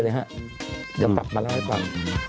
เดี๋ยวปับมานั่นก่อน